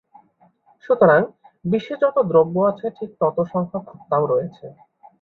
সুতরাং, বিশ্বে যতো দ্রব্য আছে ঠিক তত সংখ্যক আত্মাও রয়েছে।